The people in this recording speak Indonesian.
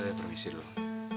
saya permisi dulu